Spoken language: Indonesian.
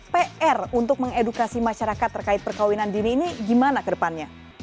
pr untuk mengedukasi masyarakat terkait perkawinan dini ini gimana ke depannya